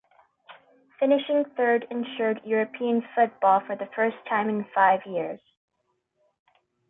Finishing third ensured European football for the first time in five years.